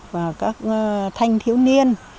và các thanh thiếu niên